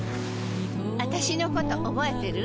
あたしのこと覚えてる？